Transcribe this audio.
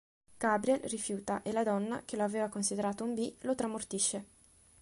Gabriel rifiuta e la donna, che lo aveva considerando un "B", lo tramortisce.